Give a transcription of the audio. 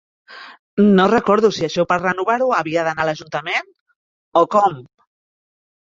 No recordo si això per renovar-ho havia d'anar a l'ajuntament o com?